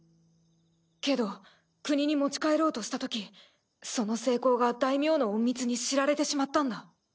けど国に持ち帰ろうとしたときその成功が大名の隠密に知られてしまったんだ。